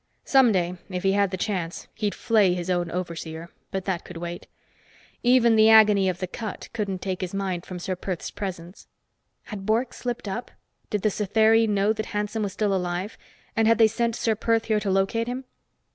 Someday, if he had the chance, he'd flay his own overseer, but that could wait. Even the agony of the cut couldn't take his mind from Ser Perth's presence. Had Bork slipped up did the Satheri know that Hanson was still alive, and had they sent Ser Perth here to locate him?